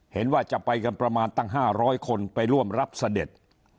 เห็นว่าจะไปกันประมาณตั้ง๕๐๐คนไปร่วมรับเสด็จ